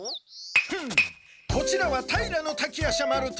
フンッこちらは平滝夜叉丸と。